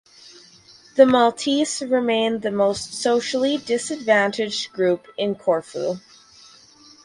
The Maltese remained the most socially disadvantaged group in Corfu.